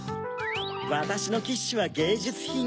わたしのキッシュはげいじゅつひん。